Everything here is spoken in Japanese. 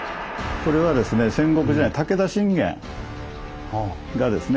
これはですね戦国時代武田信玄がですね